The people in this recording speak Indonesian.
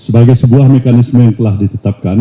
sebagai sebuah mekanisme yang telah ditetapkan